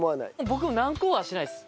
僕何個はしないです。